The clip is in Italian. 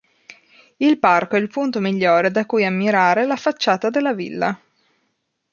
Il parco è il punto migliore da cui ammirare la facciata della villa.